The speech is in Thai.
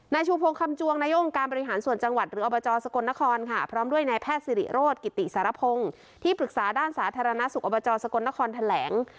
ชูพงคำจวงนายกองค์การบริหารส่วนจังหวัดหรืออบจสกลนครค่ะพร้อมด้วยนายแพทย์สิริโรธกิติสารพงศ์ที่ปรึกษาด้านสาธารณสุขอบจสกลนครแถลง